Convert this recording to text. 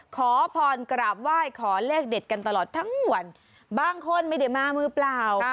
ขอพรกราบไหว้ขอเลขเด็ดกันตลอดทั้งวันบางคนไม่ได้มามือเปล่า